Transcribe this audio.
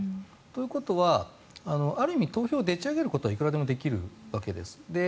ということは、ある意味投票をでっち上げることはいくらでもできるわけです。